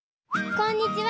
こんにちは！